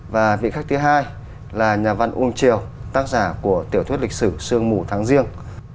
và vị khách thứ hai là nhà văn uông triều tác giả của tiểu thuyết lịch sử sương mù tháng riêng